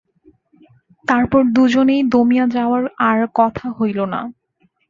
তারপর দুজনেই দমিয়া যাওয়ায় আর কথা হইল না।